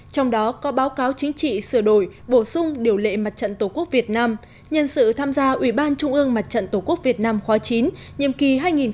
trong đó có báo cáo chính trị sửa đổi bổ sung điều lệ mặt trận tổ quốc việt nam nhân sự tham gia ủy ban trung ương mặt trận tổ quốc việt nam khóa chín nhiệm kỳ hai nghìn một mươi chín hai nghìn hai mươi bốn